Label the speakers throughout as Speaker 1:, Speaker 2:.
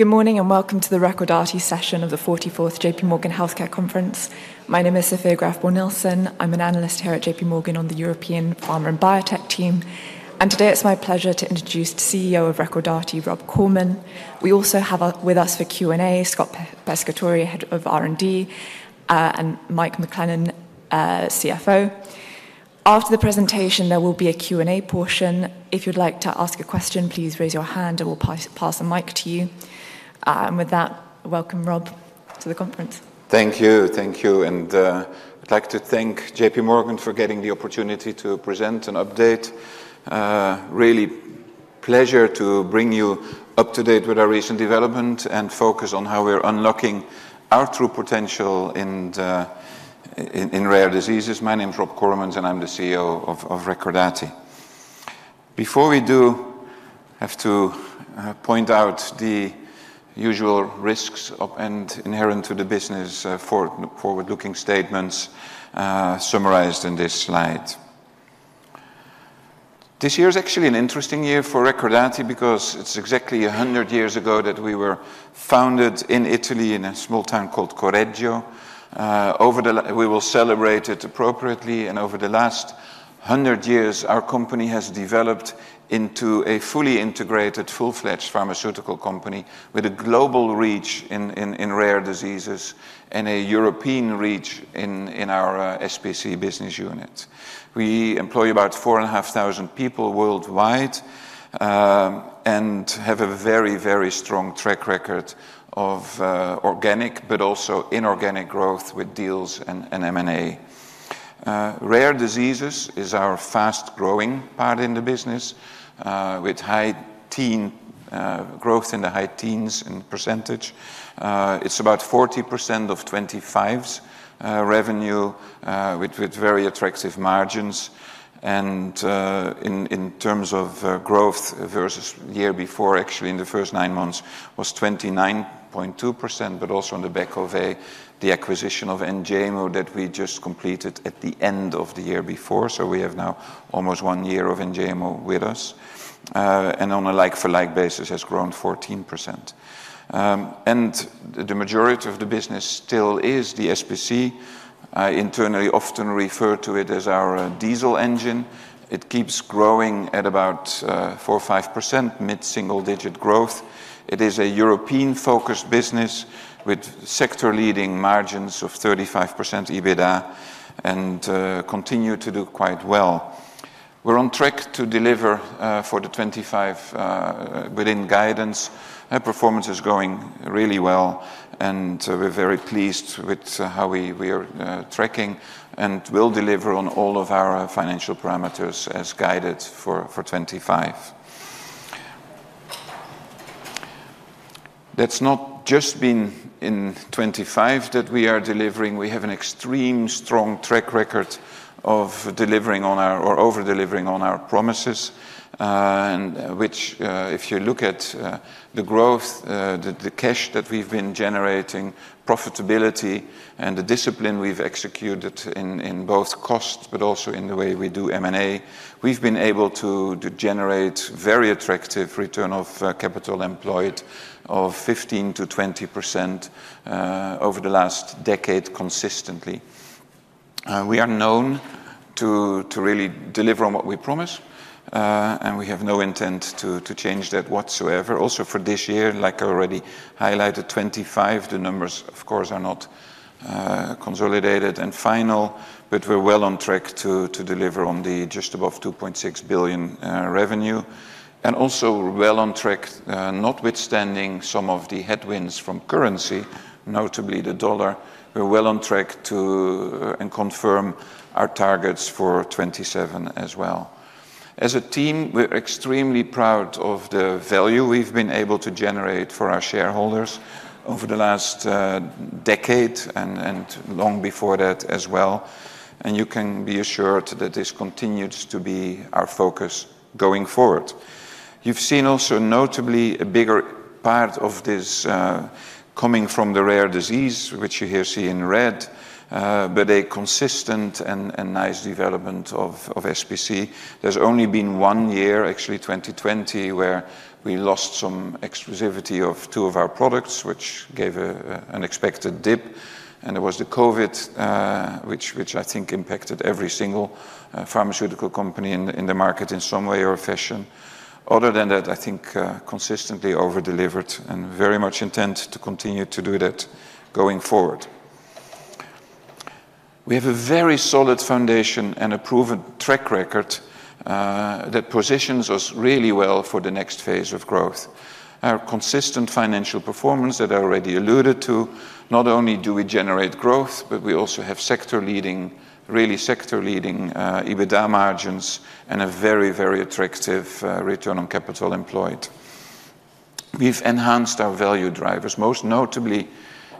Speaker 1: Good morning and welcome to the Recordati session of the 44th JPMorgan Healthcare Conference. My name is Sofia Grafborn-Nielsen. I'm an analyst here at JPMorgan on the European Pharma and Biotech team. And today it's my pleasure to introduce the CEO of Recordati, Rob Koremans. We also have with us for Q&A, Scott Pescatore, Head of R&D, and Mike McLennan, CFO. After the presentation, there will be a Q&A portion. If you'd like to ask a question, please raise your hand and we'll pass the mic to you. And with that, welcome, Rob, to the conference.
Speaker 2: Thank you. Thank you. And I'd like to thank JPMorgan for getting the opportunity to present and update. Really a pleasure to bring you up to date with our recent development and focus on how we're unlocking our true potential in rare diseases. My name is Rob Koremans and I'm the CEO of Recordati. Before we do, I have to point out the usual risks and inherent to the business forward-looking statements summarized in this slide. This year is actually an interesting year for Recordati because it's exactly 100 years ago that we were founded in Italy in a small town called Correggio. We will celebrate it appropriately. And over the last 100 years, our company has developed into a fully integrated, full-fledged pharmaceutical company with a global reach in rare diseases and a European reach in our SPC business unit. We employ about 4,500 people worldwide and have a very, very strong track record of organic but also inorganic growth with deals and M&A. Rare diseases is our fast-growing part in the business with high teen growth in the high teens in percentage. It's about 40% of 2025's revenue with very attractive margins. In terms of growth versus the year before, actually in the first nine months was 29.2%, but also on the back of the acquisition of EUSA that we just completed at the end of the year before. So we have now almost one year of EUSA with us. On a like-for-like basis, it has grown 14%. The majority of the business still is the SPC. I internally often refer to it as our diesel engine. It keeps growing at about 4%-5% mid-single-digit growth. It is a European-focused business with sector-leading margins of 35% EBITDA and continue to do quite well. We're on track to deliver for 2025 within guidance. Our performance is going really well, and we're very pleased with how we are tracking and will deliver on all of our financial parameters as guided for 2025. That's not just been in 2025 that we are delivering. We have an extremely strong track record of delivering on our or over-delivering on our promises, which if you look at the growth, the cash that we've been generating, profitability, and the discipline we've executed in both costs, but also in the way we do M&A, we've been able to generate very attractive return on capital employed of 15%-20% over the last decade consistently. We are known to really deliver on what we promise, and we have no intent to change that whatsoever. Also for this year, like I already highlighted, 2025, the numbers of course are not consolidated and final, but we're well on track to deliver on the just above 2.6 billion revenue, and also well on track, notwithstanding some of the headwinds from currency, notably the dollar, to confirm our targets for 2027 as well. As a team, we're extremely proud of the value we've been able to generate for our shareholders over the last decade and long before that as well. You can be assured that this continues to be our focus going forward. You've seen also notably a bigger part of this coming from the rare disease, which you here see in red, but a consistent and nice development of SPC. There's only been one year, actually 2020, where we lost some exclusivity of two of our products, which gave an expected dip. And there was the COVID, which I think impacted every single pharmaceutical company in the market in some way or fashion. Other than that, I think consistently over-delivered and very much intent to continue to do that going forward. We have a very solid foundation and a proven track record that positions us really well for the next phase of growth. Our consistent financial performance that I already alluded to, not only do we generate growth, but we also have sector-leading, really sector-leading EBITDA margins and a very, very attractive return on capital employed. We've enhanced our value drivers, most notably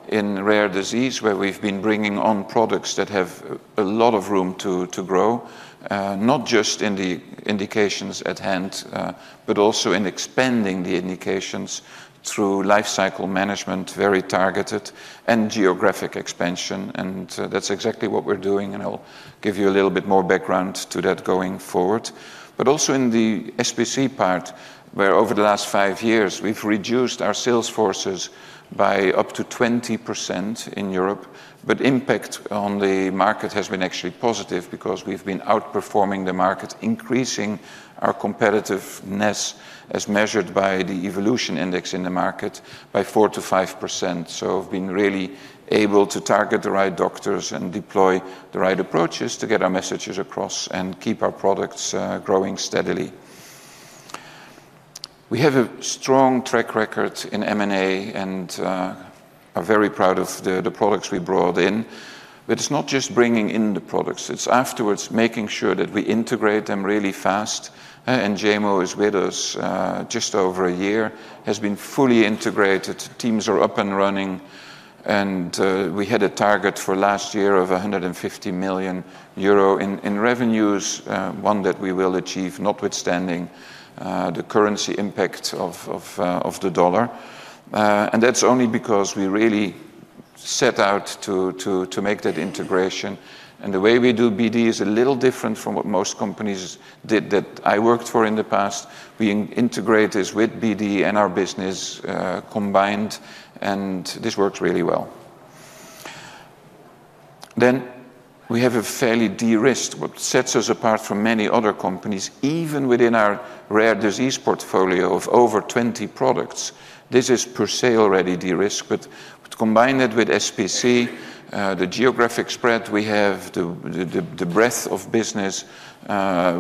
Speaker 2: in rare disease, where we've been bringing on products that have a lot of room to grow, not just in the indications at hand, but also in expanding the indications through lifecycle management, very targeted and geographic expansion. And that's exactly what we're doing. And I'll give you a little bit more background to that going forward. But also in the SPC part, where over the last five years we've reduced our sales forces by up to 20% in Europe, but impact on the market has been actually positive because we've been outperforming the market, increasing our competitiveness as measured by the evolution index in the market by 4%-5%. So we've been really able to target the right doctors and deploy the right approaches to get our messages across and keep our products growing steadily. We have a strong track record in M&A and are very proud of the products we brought in. But it's not just bringing in the products, it's afterwards making sure that we integrate them really fast. Enjaymo is with us just over a year, has been fully integrated, teams are up and running, and we had a target for last year of 150 million euro in revenues, one that we will achieve notwithstanding the currency impact of the dollar. That's only because we really set out to make that integration. The way we do BD is a little different from what most companies did that I worked for in the past. We integrate this with BD and our business combined, and this works really well. Then we have a fairly de-risked what sets us apart from many other companies, even within our rare disease portfolio of over 20 products. This is per se already de-risked, but combined with SPC, the geographic spread we have, the breadth of business,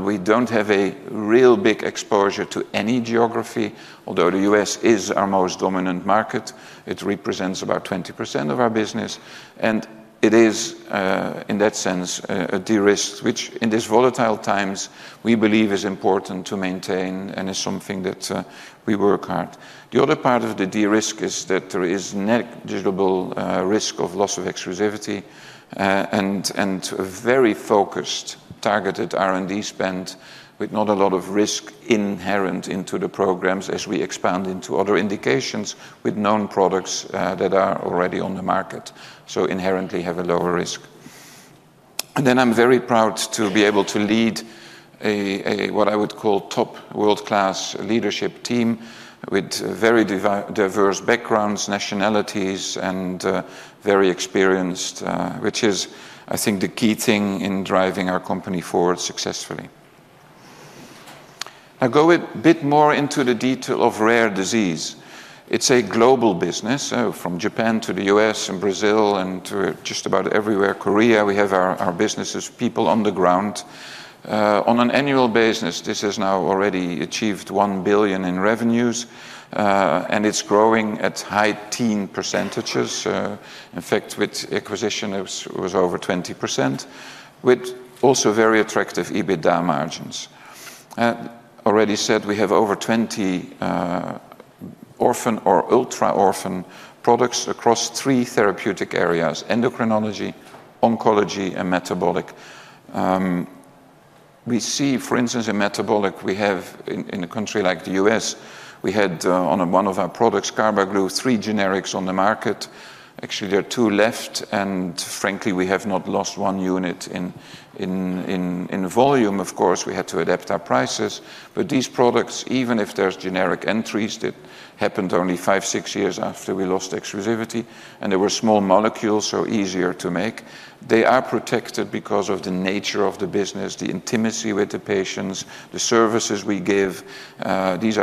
Speaker 2: we don't have a real big exposure to any geography, although the U.S. is our most dominant market. It represents about 20% of our business. And it is, in that sense, a de-risked, which in these volatile times we believe is important to maintain and is something that we work hard. The other part of the de-risk is that there is negligible risk of loss of exclusivity and very focused, targeted R&D spend with not a lot of risk inherent into the programs as we expand into other indications with known products that are already on the market. So inherently have a lower risk. And then I'm very proud to be able to lead a what I would call top world-class leadership team with very diverse backgrounds, nationalities, and very experienced, which is, I think, the key thing in driving our company forward successfully. I'll go a bit more into the detail of rare disease. It's a global business from Japan to the U.S. and Brazil and to just about everywhere. Korea, we have our businesses, people on the ground. On an annual basis, this has now already achieved 1 billion in revenues and it's growing at high teen percentages. In fact, with acquisition, it was over 20% with also very attractive EBITDA margins. I already said we have over 20 orphan or ultra-orphan products across three therapeutic areas: endocrinology, oncology, and metabolic. We see, for instance, in metabolic, we have in a country like the U.S., we had on one of our products, Carbaglu, three generics on the market. Actually, there are two left, and frankly, we have not lost one unit in volume. Of course, we had to adapt our prices, but these products, even if there's generic entries, that happened only five, six years after we lost exclusivity, and there were small molecules, so easier to make. They are protected because of the nature of the business, the intimacy with the patients, the services we give. These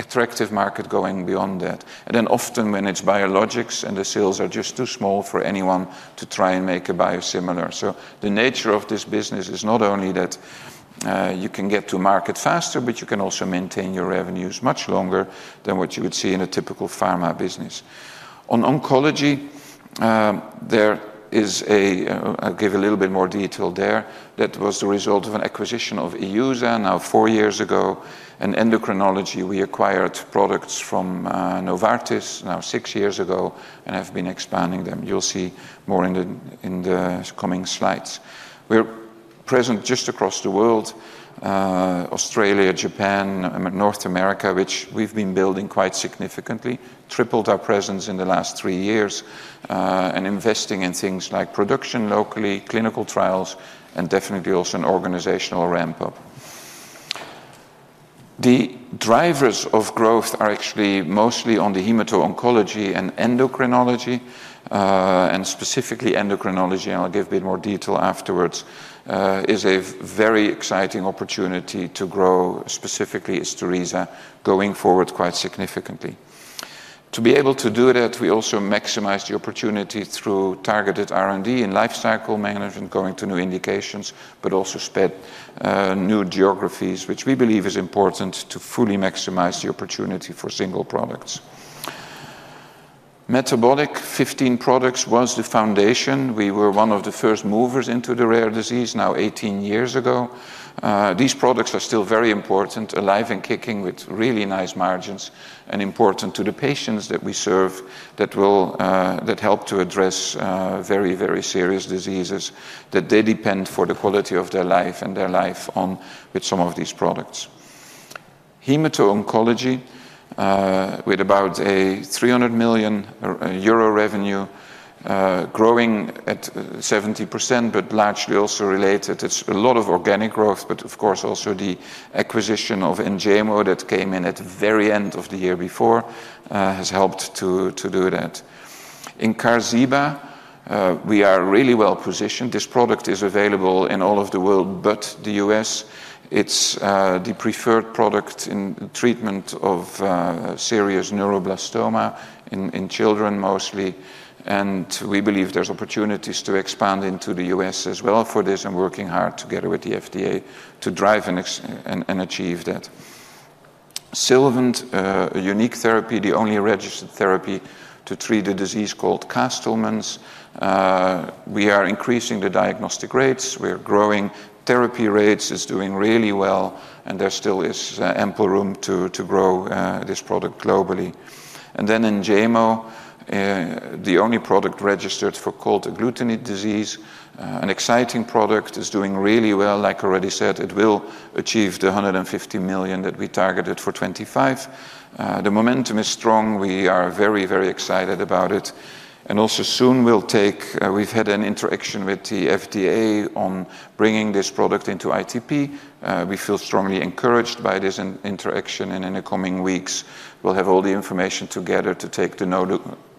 Speaker 2: are attractive market going beyond that, and then often when it's biologics and the sales are just too small for anyone to try and make a biosimilar. So the nature of this business is not only that you can get to market faster, but you can also maintain your revenues much longer than what you would see in a typical pharma business. On oncology, there. I'll give a little bit more detail there. That was the result of an acquisition of EUSA now four years ago. And endocrinology, we acquired products from Novartis now six years ago and have been expanding them. You'll see more in the coming slides. We're present just across the world, Australia, Japan, North America, which we've been building quite significantly, tripled our presence in the last three years, and investing in things like production locally, clinical trials, and definitely also an organizational ramp-up. The drivers of growth are actually mostly on the hemato-oncology and endocrinology, and specifically endocrinology. I'll give a bit more detail afterwards. It is a very exciting opportunity to grow, specifically as for Isturisa going forward quite significantly. To be able to do that, we also maximized the opportunity through targeted R&D in lifecycle management, going to new indications, but also expand to new geographies, which we believe is important to fully maximize the opportunity for single products. Metabolic, 15 products was the foundation. We were one of the first movers into the rare disease now 18 years ago. These products are still very important, alive and kicking with really nice margins and important to the patients that we serve that help to address very, very serious diseases that they depend for the quality of their life and their life on with some of these products. Hemato-oncology with about 300 million euro revenue, growing at 70%, but largely also related. It's a lot of organic growth, but of course also the acquisition of Enjaymo that came in at the very end of the year before has helped to do that. In Qarziba, we are really well positioned. This product is available in all of the world, but the U.S. It's the preferred product in treatment of serious neuroblastoma in children mostly, and we believe there's opportunities to expand into the U.S. as well for this and working hard together with the FDA to drive and achieve that. Silvant, a unique therapy, the only registered therapy to treat a disease called Castleman disease. We are increasing the diagnostic rates. We're growing therapy rates. It's doing really well and there still is ample room to grow this product globally, and then Enjaymo, the only product registered for cold agglutinin disease, an exciting product is doing really well. Like I already said, it will achieve the 150 million that we targeted for 2025. The momentum is strong. We are very, very excited about it. And also soon we'll take. We've had an interaction with the FDA on bringing this product into ITP. We feel strongly encouraged by this interaction and in the coming weeks, we'll have all the information together to take the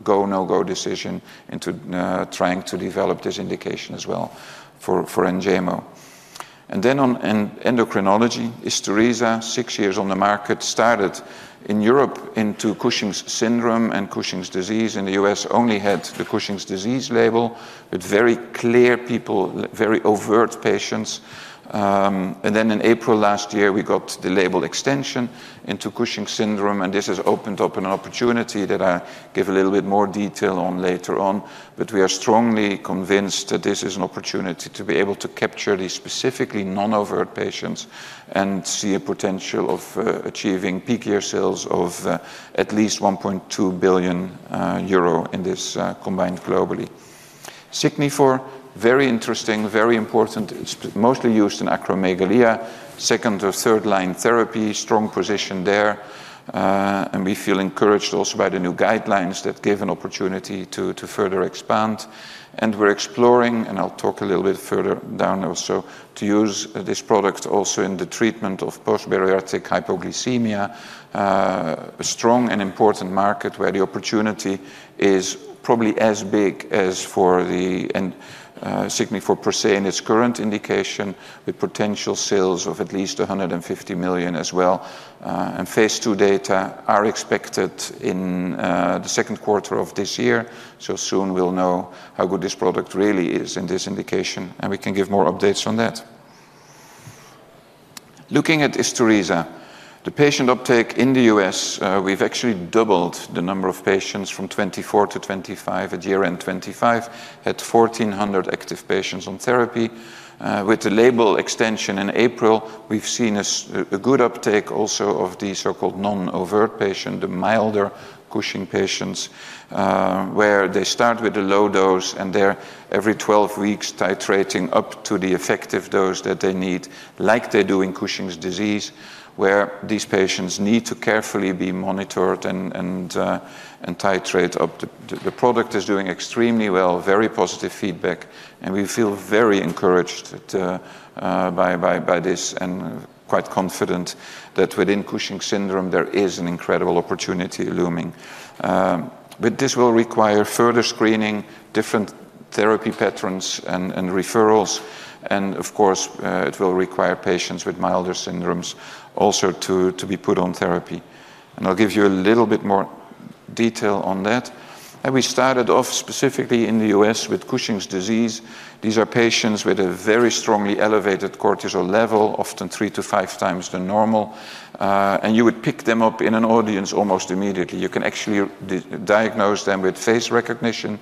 Speaker 2: go/no-go decision into trying to develop this indication as well for Enjaymo. And then on endocrinology, Isturisa, six years on the market, started in Europe into Cushing's syndrome and Cushing's disease. In the U.S., only had the Cushing's disease label with very clear phenotype, very overt patients. And then in April last year, we got the label extension into Cushing's syndrome. And this has opened up an opportunity that I give a little bit more detail on later on. But we are strongly convinced that this is an opportunity to be able to capture these specifically non-overt patients and see a potential of achieving peak year sales of at least 1.2 billion euro in this combined globally. Signifor, very interesting, very important. It's mostly used in acromegaly, second or third line therapy, strong position there. And we feel encouraged also by the new guidelines that give an opportunity to further expand. And we're exploring, and I'll talk a little bit further down also to use this product also in the treatment of post-bariatric hypoglycemia, a strong and important market where the opportunity is probably as big as for the Signifor per se in its current indication with potential sales of at least 150 million as well. And phase two data are expected in the second quarter of this year. Soon we'll know how good this product really is in this indication and we can give more updates on that. Looking at Isturisa, the patient uptake in the U.S., we've actually doubled the number of patients from 2024-2025 at year end 2025 at 1,400 active patients on therapy. With the label extension in April, we've seen a good uptake also of the so-called non-overt patient, the milder Cushing's patients, where they start with a low dose and they're every 12 weeks titrating up to the effective dose that they need, like they do in Cushing's disease, where these patients need to carefully be monitored and titrate up. The product is doing extremely well, very positive feedback. We feel very encouraged by this and quite confident that within Cushing's syndrome, there is an incredible opportunity looming. This will require further screening, different therapy patterns and referrals. And, of course, it will require patients with milder syndromes also to be put on therapy. And I'll give you a little bit more detail on that. And we started off specifically in the U.S. with Cushing's disease. These are patients with a very strongly elevated cortisol level, often three to five times the normal. And you would pick them up in an audience almost immediately. You can actually diagnose them with face recognition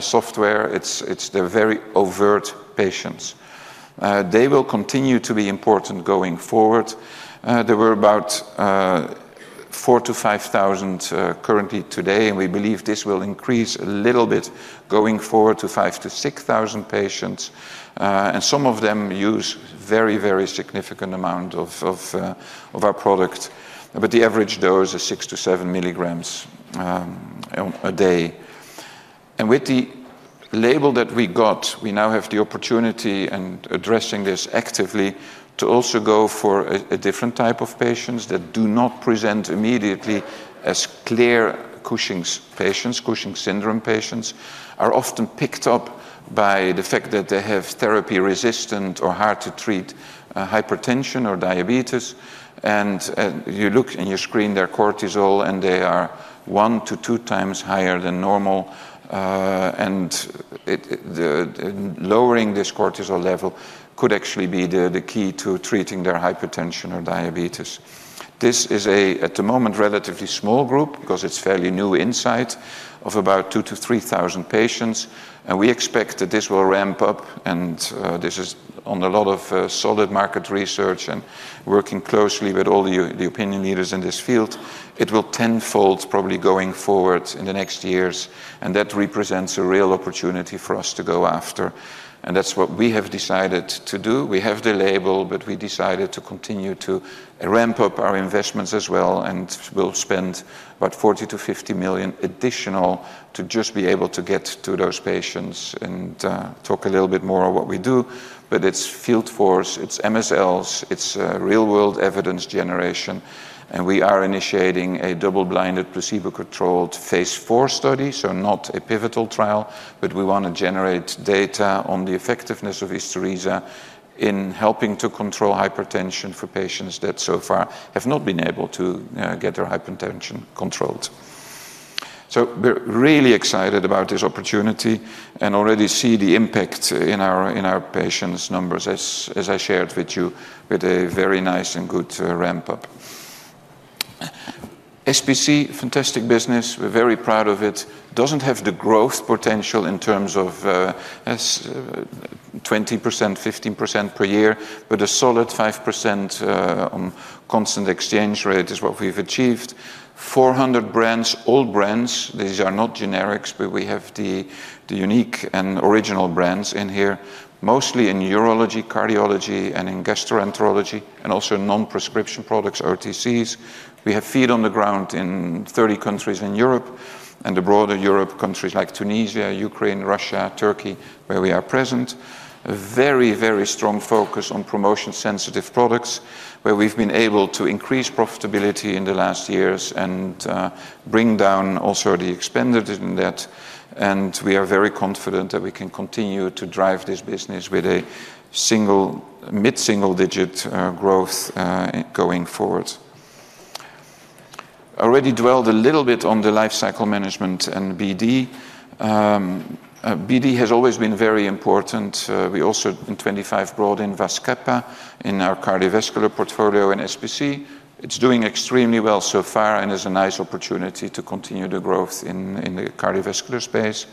Speaker 2: software. It's the very overt patients. They will continue to be important going forward. There were about 4,000-5,000 currently today, and we believe this will increase a little bit going forward to 5,000-6,000 patients. And some of them use a very, very significant amount of our product. But the average dose is 6-7 milligrams a day. With the label that we got, we now have the opportunity and addressing this actively to also go for a different type of patients that do not present immediately as clear Cushing's patients. Cushing's syndrome patients are often picked up by the fact that they have therapy resistant or hard to treat hypertension or diabetes. You look in your screen, their cortisol, and they are one to two times higher than normal. Lowering this cortisol level could actually be the key to treating their hypertension or diabetes. This is a, at the moment, relatively small group because it's fairly new insight of about 2,000-3,000 patients. We expect that this will ramp up. This is on a lot of solid market research and working closely with all the opinion leaders in this field. It will tenfold probably going forward in the next years. That represents a real opportunity for us to go after. That's what we have decided to do. We have the label, but we decided to continue to ramp up our investments as well. We'll spend about 40,000-50,000 additional to just be able to get to those patients and talk a little bit more on what we do. It's field force, it's MSLs, it's real-world evidence generation. We are initiating a double-blinded placebo-controlled phase four study. Not a pivotal trial, but we want to generate data on the effectiveness of Isturisa in helping to control hypertension for patients that so far have not been able to get their hypertension controlled. We're really excited about this opportunity and already see the impact in our patients' numbers, as I shared with you, with a very nice and good ramp-up. SPC, fantastic business. We're very proud of it. Doesn't have the growth potential in terms of 20%, 15% per year, but a solid 5% on constant exchange rate is what we've achieved. 400 brands, all brands. These are not generics, but we have the unique and original brands in here, mostly in urology, cardiology, and in gastroenterology, and also non-prescription products, OTCs. We have feet on the ground in 30 countries in Europe and the broader Europe countries like Tunisia, Ukraine, Russia, Turkey, where we are present. Very, very strong focus on promotion-sensitive products, where we've been able to increase profitability in the last years and bring down also the expenditure in that, and we are very confident that we can continue to drive this business with a mid-single digit growth going forward. Already dwelled a little bit on the lifecycle management and BD. BD has always been very important. We also in 2025 brought in Vazkepa in our cardiovascular portfolio in SPC. It's doing extremely well so far and is a nice opportunity to continue the growth in the cardiovascular space.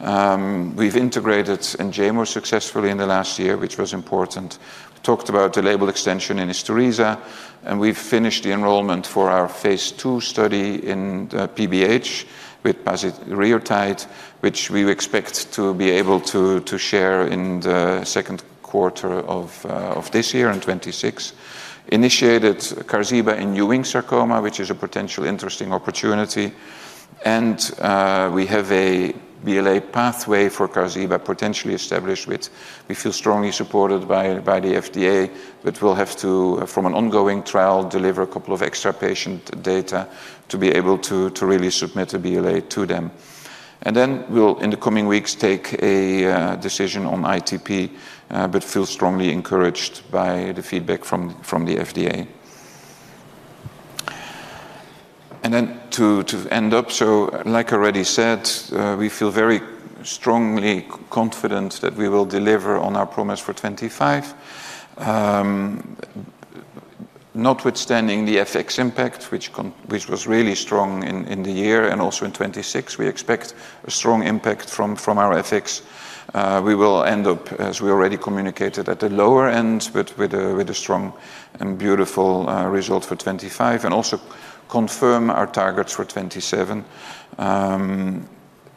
Speaker 2: We've integrated Enjaymo successfully in the last year, which was important. We talked about the label extension in Isturisa, and we've finished the enrollment for our phase two study in PBH with pasireotide, which we expect to be able to share in the second quarter of this year in 2026. Initiated Qarziba in Ewing sarcoma, which is a potential interesting opportunity. And we have a BLA pathway for Qarziba potentially established with, we feel strongly supported by the FDA, but we'll have to, from an ongoing trial, deliver a couple of extra patient data to be able to really submit a BLA to them. And then we'll, in the coming weeks, take a decision on ITP, but feel strongly encouraged by the feedback from the FDA. And then to end up, so like I already said, we feel very strongly confident that we will deliver on our promise for 2025. Notwithstanding the FX impact, which was really strong in the year and also in 2026, we expect a strong impact from our FX. We will end up, as we already communicated, at the lower end, but with a strong and beautiful result for 2025 and also confirm our targets for 2027.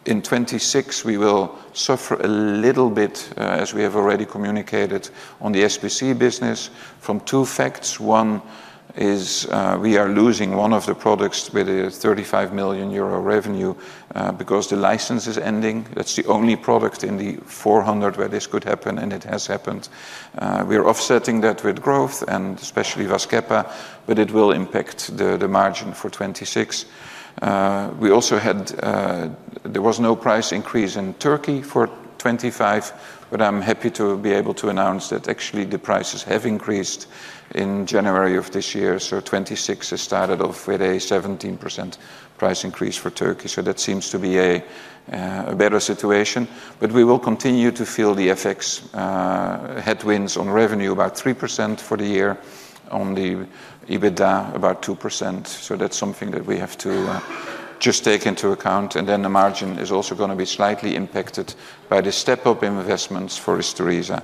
Speaker 2: In 2026, we will suffer a little bit, as we have already communicated, on the SPC business from two facts. One is we are losing one of the products with a 35 million euro revenue because the license is ending. That's the only product in the 400 where this could happen, and it has happened. We are offsetting that with growth and especially Vazkepa, but it will impact the margin for 2026. We also had, there was no price increase in Turkey for 2025, but I'm happy to be able to announce that actually the prices have increased in January of this year. So 2026 has started off with a 17% price increase for Turkey. So that seems to be a better situation. But we will continue to feel the FX headwinds on revenue, about 3% for the year, on the EBITDA, about 2%. So that's something that we have to just take into account, and then the margin is also going to be slightly impacted by the step-up investments for Isturisa.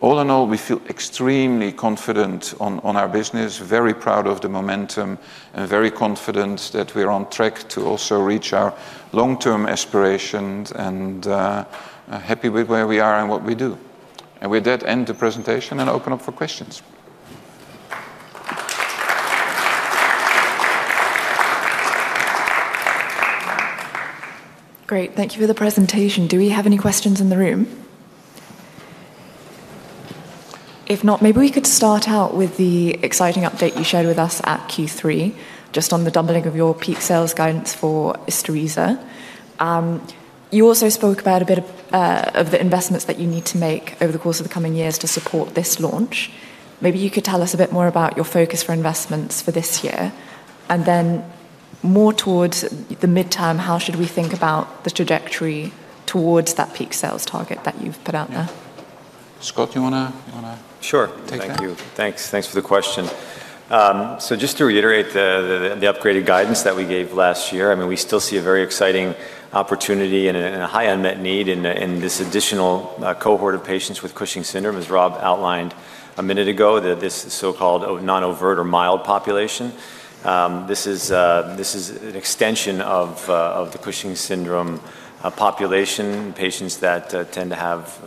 Speaker 2: All in all, we feel extremely confident on our business, very proud of the momentum, and very confident that we are on track to also reach our long-term aspirations and happy with where we are and what we do, and with that, end the presentation and open up for questions. Great. Thank you for the presentation. Do we have any questions in the room? If not, maybe we could start out with the exciting update you shared with us at Q3, just on the doubling of your peak sales guidance for Isturisa. You also spoke about a bit of the investments that you need to make over the course of the coming years to support this launch. Maybe you could tell us a bit more about your focus for investments for this year. More towards the midterm, how should we think about the trajectory towards that peak sales target that you've put out there? Scott, do you want to?
Speaker 3: Sure.
Speaker 2: Thank you.
Speaker 3: Thanks for the question. So just to reiterate the upgraded guidance that we gave last year, I mean, we still see a very exciting opportunity and a high unmet need in this additional cohort of patients with Cushing's syndrome. As Rob outlined a minute ago, this so-called non-overt or mild population. This is an extension of the Cushing's syndrome population, patients that tend to have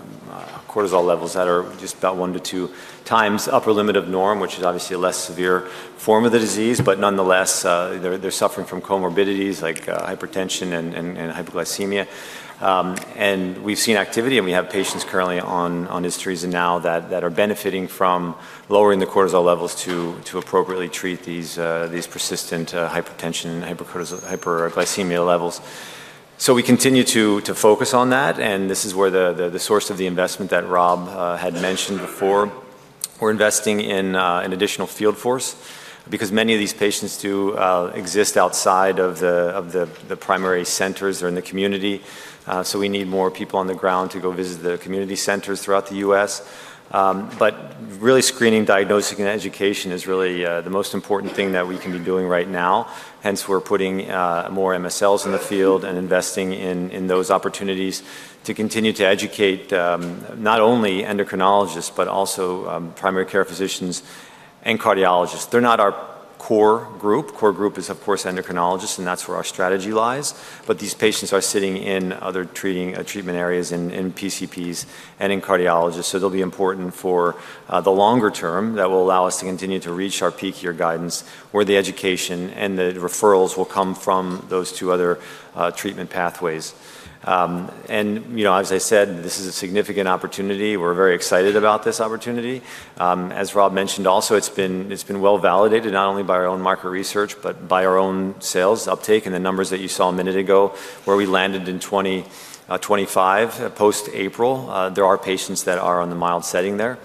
Speaker 3: cortisol levels that are just about one to two times upper limit of normal, which is obviously a less severe form of the disease. But nonetheless, they're suffering from comorbidities like hypertension and hypoglycemia. And we've seen activity, and we have patients currently on Isturisa now that are benefiting from lowering the cortisol levels to appropriately treat these persistent hypertension and hyperglycemia levels. So we continue to focus on that. And this is where the source of the investment that Rob had mentioned before. We're investing in an additional field force because many of these patients do exist outside of the primary centers or in the community, so we need more people on the ground to go visit the community centers throughout the U.S., but really screening, diagnosing, and education is really the most important thing that we can be doing right now. Hence, we're putting more MSLs in the field and investing in those opportunities to continue to educate not only endocrinologists, but also primary care physicians and cardiologists, they're not our core group, core group is, of course, endocrinologists, and that's where our strategy lies, but these patients are sitting in other treatment areas, in PCPs and in cardiologists. So they'll be important for the longer term that will allow us to continue to reach our peak year guidance, where the education and the referrals will come from those two other treatment pathways. And as I said, this is a significant opportunity. We're very excited about this opportunity. As Rob mentioned also, it's been well validated not only by our own market research, but by our own sales uptake and the numbers that you saw a minute ago, where we landed in 2025 post-April. There are patients that are on the mild setting there.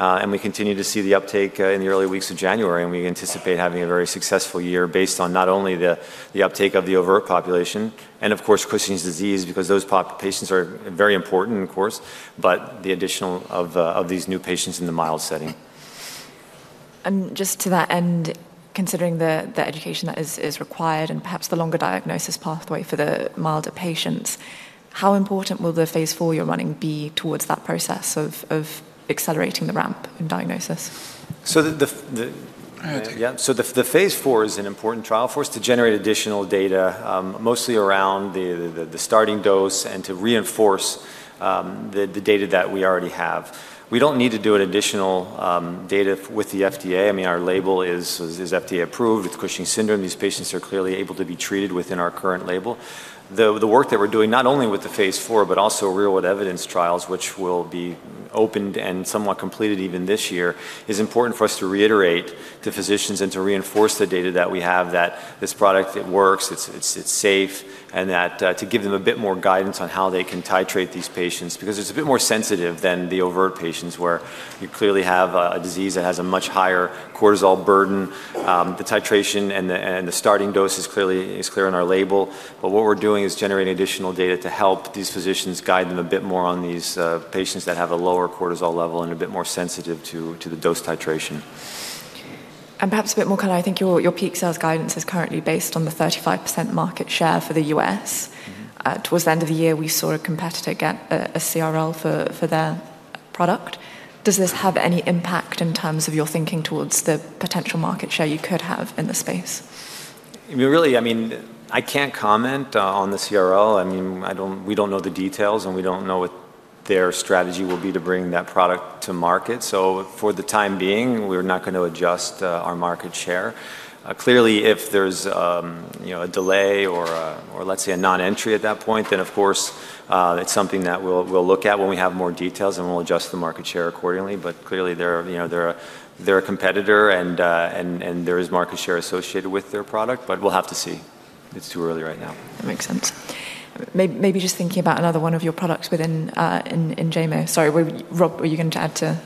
Speaker 3: And we continue to see the uptake in the early weeks of January. And we anticipate having a very successful year based on not only the uptake of the overt population and, of course, Cushing's disease, because those patients are very important, of course, but the addition of these new patients in the mild setting.
Speaker 1: Just to that end, considering the education that is required and perhaps the longer diagnosis pathway for the milder patients, how important will the phase four you're running be towards that process of accelerating the ramp in diagnosis?
Speaker 3: So the phase 4 is an important trial for us to generate additional data, mostly around the starting dose and to reinforce the data that we already have. We don't need to do an additional data with the FDA. I mean, our label is FDA approved with Cushing's syndrome. These patients are clearly able to be treated within our current label. The work that we're doing, not only with the phase IV, but also real-world evidence trials, which will be opened and somewhat completed even this year, is important for us to reiterate to physicians and to reinforce the data that we have, that this product, it works, it's safe, and that to give them a bit more guidance on how they can titrate these patients, because it's a bit more sensitive than the overt patients where you clearly have a disease that has a much higher cortisol burden. The titration and the starting dose is clear in our label, but what we're doing is generating additional data to help these physicians guide them a bit more on these patients that have a lower cortisol level and a bit more sensitive to the dose titration.
Speaker 1: Perhaps a bit more color. I think your peak sales guidance is currently based on the 35% market share for the U.S. Towards the end of the year, we saw a competitor get a CRL for their product. Does this have any impact in terms of your thinking towards the potential market share you could have in the space?
Speaker 3: Really, I mean, I can't comment on the CRL. I mean, we don't know the details, and we don't know what their strategy will be to bring that product to market. So for the time being, we're not going to adjust our market share. Clearly, if there's a delay or, let's say, a non-entry at that point, then, of course, it's something that we'll look at when we have more details, and we'll adjust the market share accordingly. But clearly, they're a competitor, and there is market share associated with their product, but we'll have to see. It's too early right now.
Speaker 1: That makes sense. Maybe just thinking about another one of your products within Enjaymo. Sorry, Rob, were you going to add to?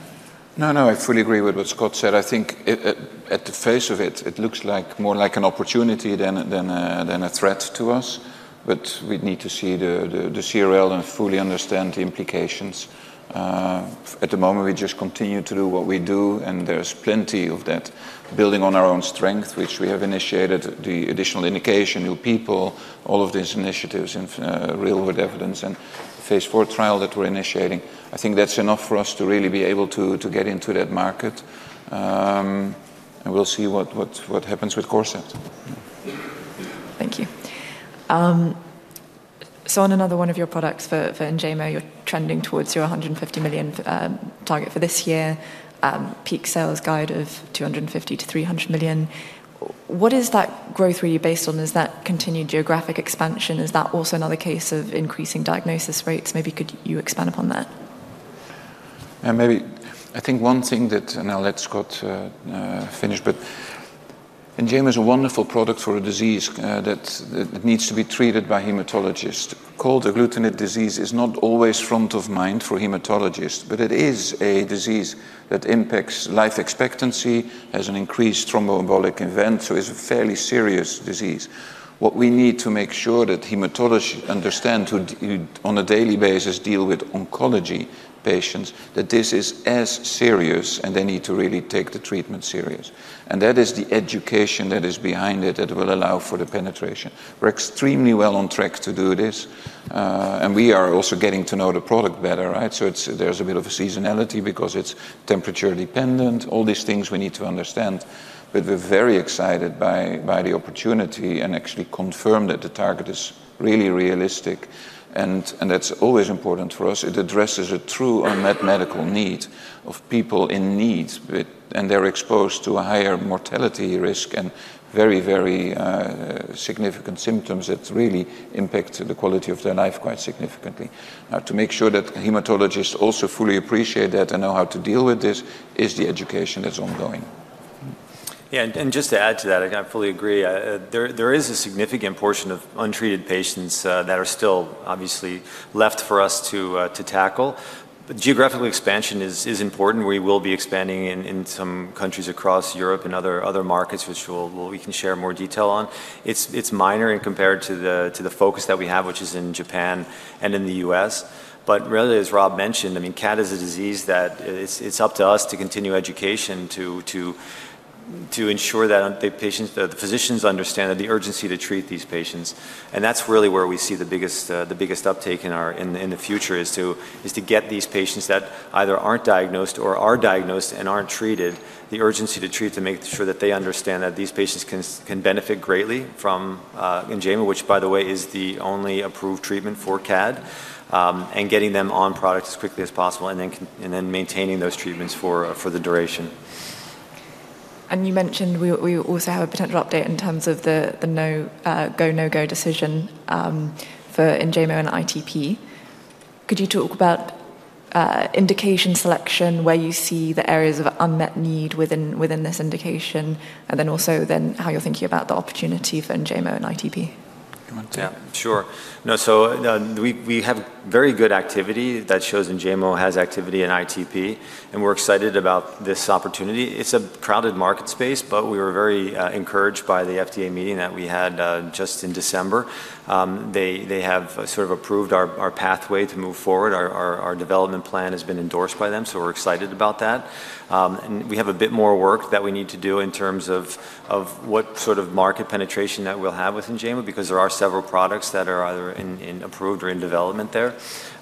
Speaker 2: No, no, I fully agree with what Scott said. I think at the face of it, it looks more like an opportunity than a threat to us. But we need to see the CRL and fully understand the implications. At the moment, we just continue to do what we do, and there's plenty of that building on our own strength, which we have initiated, the additional indication, new people, all of these initiatives in real-world evidence and phase four trial that we're initiating. I think that's enough for us to really be able to get into that market. And we'll see what happens with Corcept.
Speaker 1: Thank you. So on another one of your products for Enjaymo, you're trending towards your 150 million target for this year, peak sales guide of 250-300 million. What is that growth really based on? Is that continued geographic expansion? Is that also another case of increasing diagnosis rates? Maybe could you expand upon that?
Speaker 2: Maybe I think one thing that, and I'll let Scott finish, but Enjaymo is a wonderful product for a disease that needs to be treated by hematologists. Cold agglutinin disease is not always front of mind for hematologists, but it is a disease that impacts life expectancy, has an increased thromboembolic event, so it's a fairly serious disease. What we need to make sure that hematologists understand, who on a daily basis deal with oncology patients, that this is as serious, and they need to really take the treatment serious. That is the education that is behind it that will allow for the penetration. We're extremely well on track to do this. We are also getting to know the product better, right? So there's a bit of a seasonality because it's temperature dependent. All these things we need to understand. But we're very excited by the opportunity and actually confirm that the target is really realistic. And that's always important for us. It addresses a true unmet medical need of people in need, and they're exposed to a higher mortality risk and very, very significant symptoms that really impact the quality of their life quite significantly. Now, to make sure that hematologists also fully appreciate that and know how to deal with this is the education that's ongoing.
Speaker 3: Yeah, and just to add to that, I fully agree. There is a significant portion of untreated patients that are still obviously left for us to tackle. But geographical expansion is important. We will be expanding in some countries across Europe and other markets, which we can share more detail on. It's minor in comparison to the focus that we have, which is in Japan and in the U.S. But really, as Rob mentioned, I mean, CAD is a disease that it's up to us to continue education to ensure that the physicians understand the urgency to treat these patients. And that's really where we see the biggest uptake in the future is to get these patients that either aren't diagnosed or are diagnosed and aren't treated, the urgency to treat to make sure that they understand that these patients can benefit greatly from Enjaymo, which, by the way, is the only approved treatment for CAD, and getting them on product as quickly as possible and then maintaining those treatments for the duration.
Speaker 1: And you mentioned we also have a potential update in terms of the no-go no-go decision for Enjaymo and ITP. Could you talk about indication selection, where you see the areas of unmet need within this indication, and then also how you're thinking about the opportunity for Enjaymo and ITP?
Speaker 3: Yeah, sure. No, so we have very good activity that shows Enjaymo has activity in ITP, and we're excited about this opportunity. It's a crowded market space, but we were very encouraged by the FDA meeting that we had just in December. They have sort of approved our pathway to move forward. Our development plan has been endorsed by them, so we're excited about that, and we have a bit more work that we need to do in terms of what sort of market penetration that we'll have with Enjaymo, because there are several products that are either approved or in development there,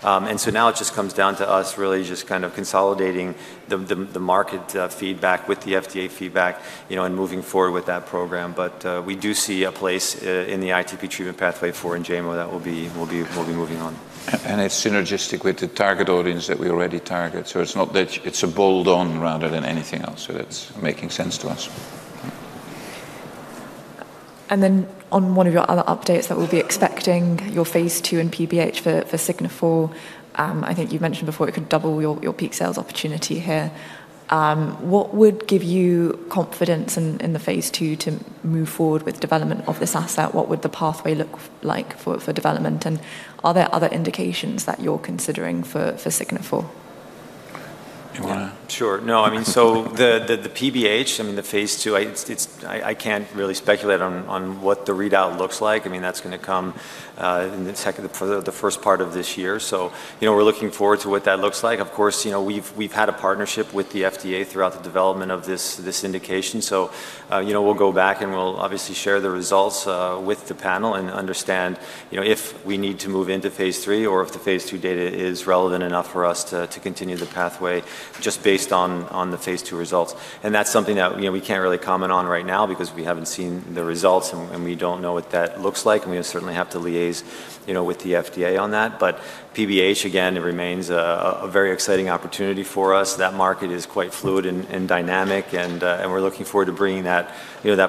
Speaker 3: and so now it just comes down to us really just kind of consolidating the market feedback with the FDA feedback and moving forward with that program, but we do see a place in the ITP treatment pathway for Enjaymo that we'll be moving on.
Speaker 2: And it's synergistic with the target audience that we already target. So it's not that it's a bolt-on rather than anything else. So that's making sense to us.
Speaker 1: And then on one of your other updates that we'll be expecting, your phase two in PBH for Signifor, I think you mentioned before it could double your peak sales opportunity here. What would give you confidence in the phase two to move forward with development of this asset? What would the pathway look like for development? And are there other indications that you're considering for Signifor?
Speaker 3: Sure. No, I mean, so the PBH, I mean, the phase two, I can't really speculate on what the readout looks like. I mean, that's going to come in the second, the first part of this year, so we're looking forward to what that looks like. Of course, we've had a partnership with the FDA throughout the development of this indication, so we'll go back and we'll obviously share the results with the panel and understand if we need to move into phase three or if the phase two data is relevant enough for us to continue the pathway just based on the phase two results, and that's something that we can't really comment on right now because we haven't seen the results and we don't know what that looks like, and we certainly have to liaise with the FDA on that. But PBH, again, it remains a very exciting opportunity for us. That market is quite fluid and dynamic, and we're looking forward to bringing that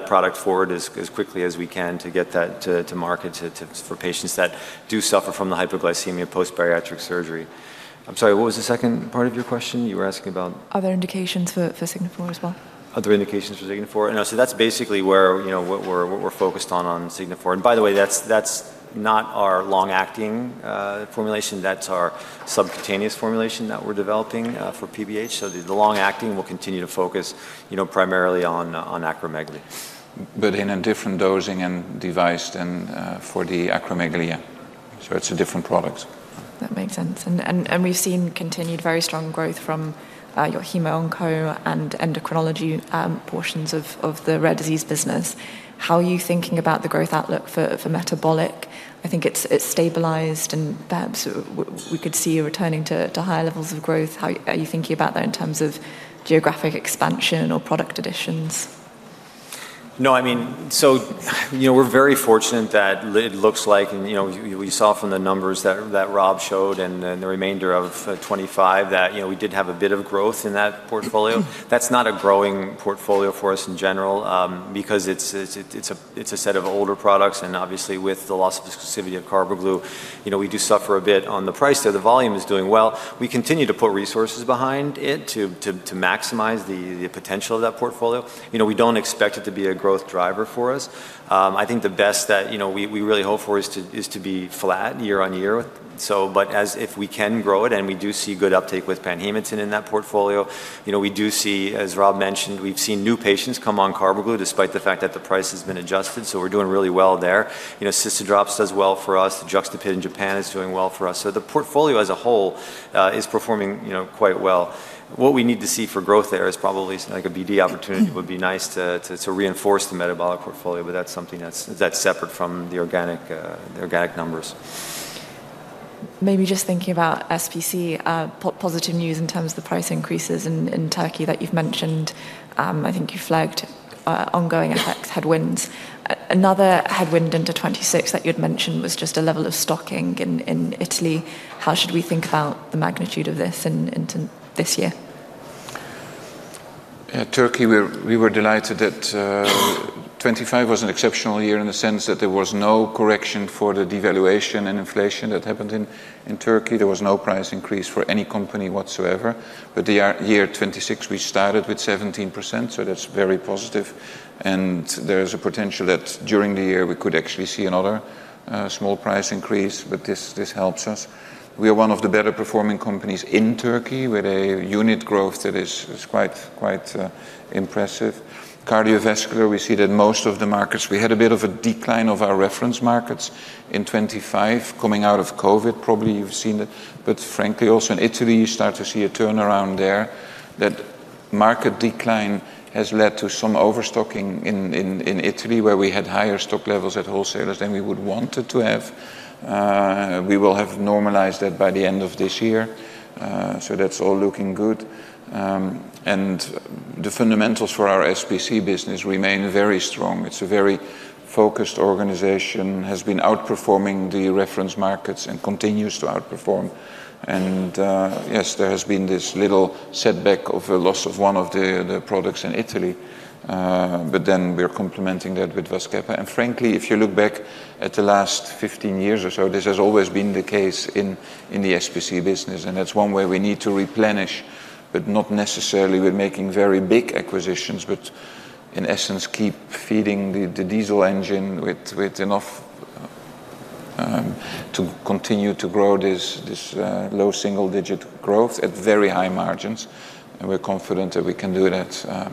Speaker 3: product forward as quickly as we can to get that to market for patients that do suffer from the hypoglycemia post-bariatric surgery. I'm sorry, what was the second part of your question? You were asking about.
Speaker 1: Other indications for Signifor as well.
Speaker 3: Other indications for Signifor. No, so that's basically where we're focused on Signifor, and by the way, that's not our long-acting formulation, that's our subcutaneous formulation that we're developing for PBH, so the long-acting will continue to focus primarily on acromegaly.
Speaker 2: But in a different dosing and device than for the acromegaly. So it's a different product.
Speaker 1: That makes sense, and we've seen continued very strong growth from your hematology and oncology and endocrinology portions of the rare disease business. How are you thinking about the growth outlook for metabolic? I think it's stabilized and perhaps we could see you returning to higher levels of growth. How are you thinking about that in terms of geographic expansion or product additions?
Speaker 3: No, I mean, so we're very fortunate that it looks like, and we saw from the numbers that Rob showed and the remainder of 2025, that we did have a bit of growth in that portfolio. That's not a growing portfolio for us in general because it's a set of older products, and obviously, with the loss of exclusivity of Carbaglu, we do suffer a bit on the price, so the volume is doing well. We continue to put resources behind it to maximize the potential of that portfolio. We don't expect it to be a growth driver for us. I think the best that we really hope for is to be flat year on year. But if we can grow it and we do see good uptake with Panhematin in that portfolio, we do see, as Rob mentioned, we've seen new patients come on Carbaglu despite the fact that the price has been adjusted. So we're doing really well there. Cystadrops does well for us. Juxtapid in Japan is doing well for us. So the portfolio as a whole is performing quite well. What we need to see for growth there is probably like a BD opportunity. It would be nice to reinforce the metabolic portfolio, but that's something that's separate from the organic numbers.
Speaker 1: Maybe just thinking about SPC, positive news in terms of the price increases in Turkey that you've mentioned. I think you flagged ongoing FX headwinds. Another headwind into '26 that you'd mentioned was just a level of stocking in Italy. How should we think about the magnitude of this into this year?
Speaker 2: Yeah, Turkey, we were delighted that 2025 was an exceptional year in the sense that there was no correction for the devaluation and inflation that happened in Turkey. There was no price increase for any company whatsoever. But the year 2026, we started with 17%, so that's very positive. And there is a potential that during the year we could actually see another small price increase, but this helps us. We are one of the better performing companies in Turkey. We had a unit growth that is quite impressive. Cardiovascular, we see that most of the markets, we had a bit of a decline of our reference markets in 2025 coming out of COVID. Probably you've seen it. But frankly, also in Italy, you start to see a turnaround there. That market decline has led to some overstocking in Italy where we had higher stock levels at wholesalers than we would want it to have. We will have normalized that by the end of this year, so that's all looking good, and the fundamentals for our SPC business remain very strong. It's a very focused organization, has been outperforming the reference markets and continues to outperform. And yes, there has been this little setback of the loss of one of the products in Italy, but then we're complementing that with Vazkepa. And frankly, if you look back at the last 15 years or so, this has always been the case in the SPC business. And that's one way we need to replenish, but not necessarily we're making very big acquisitions, but in essence, keep feeding the diesel engine with enough to continue to grow this low single-digit growth at very high margins. And we're confident that we can do that.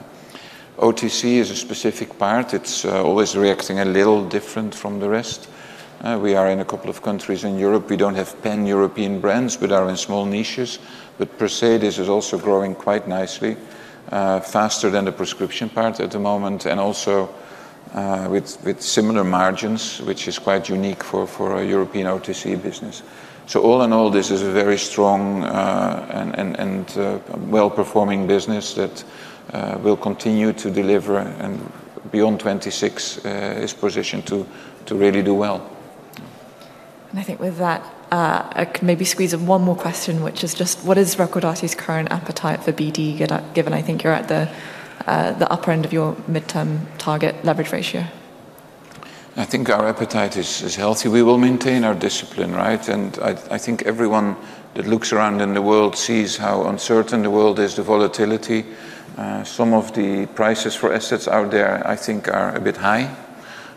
Speaker 2: OTC is a specific part. It's always reacting a little different from the rest. We are in a couple of countries in Europe. We don't have pan-European brands, but are in small niches. But the rest is also growing quite nicely, faster than the prescription part at the moment, and also with similar margins, which is quite unique for a European OTC business. So all in all, this is a very strong and well-performing business that will continue to deliver and beyond 2026 is positioned to really do well.
Speaker 1: And I think with that, I can maybe squeeze in one more question, which is just what is Recordati's current appetite for BD, given I think you're at the upper end of your midterm target leverage ratio?
Speaker 2: I think our appetite is healthy. We will maintain our discipline, right? And I think everyone that looks around in the world sees how uncertain the world is, the volatility. Some of the prices for assets out there, I think, are a bit high.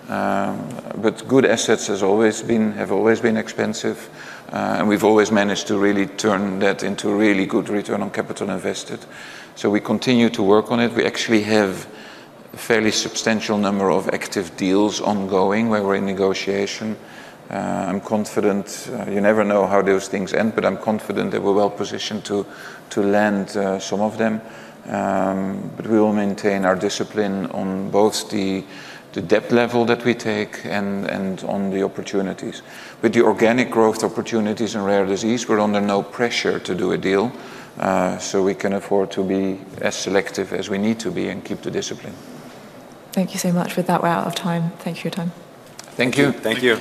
Speaker 2: But good assets have always been expensive. And we've always managed to really turn that into a really good return on capital invested. So we continue to work on it. We actually have a fairly substantial number of active deals ongoing where we're in negotiation. I'm confident you never know how those things end, but I'm confident that we're well positioned to land some of them. But we will maintain our discipline on both the debt level that we take and on the opportunities. With the organic growth opportunities in rare disease, we're under no pressure to do a deal. So we can afford to be as selective as we need to be and keep the discipline.
Speaker 1: Thank you so much. With that, we're out of time. Thank you for your time.
Speaker 3: Thank you.
Speaker 2: Thank you.